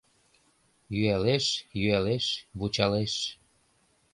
Йӱалеш-йӱалеш, вучалеш.